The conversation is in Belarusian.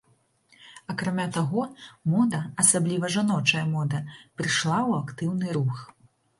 Акрамя таго, мода, асабліва жаночая мода, прыйшла ў актыўны рух.